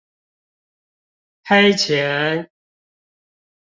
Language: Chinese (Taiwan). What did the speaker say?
黑錢